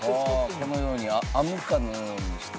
「このように編むかのようにして」